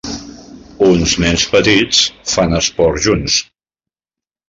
Uns nens petits fan esport junts.